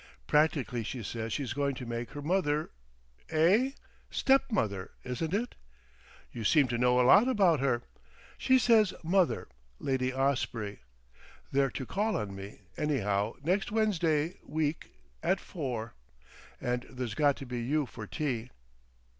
Practically she says she's going to make her mother—" "Eh? Step mother, isn't it?" "You seem to know a lot about her. She says 'mother'—Lady Osprey. They're to call on me, anyhow, next Wednesday week at four, and there's got to be you for tea."